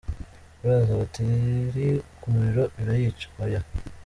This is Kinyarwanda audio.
Kuraza batiri ku muriro birayica: Oya.